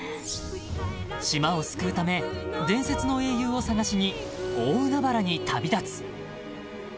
［島を救うため伝説の英雄を探しに大海原に旅立つ］